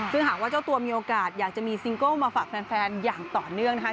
ซึ่งหากว่าเจ้าตัวมีโอกาสอยากจะมีซิงเกิ้ลมาฝากแฟนอย่างต่อเนื่องนะคะ